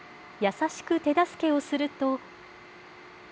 優しく手助けをすると。